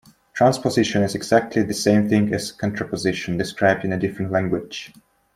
Transposition is exactly the same thing as Contraposition, described in a different language.